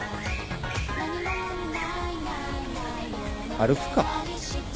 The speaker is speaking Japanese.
歩くか。